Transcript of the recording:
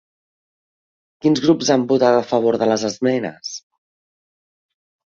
Quins grups han votat a favor de les esmenes?